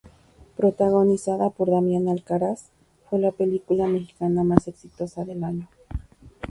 Protagonizada por Damián Alcázar, fue la película mexicana más exitosa del año.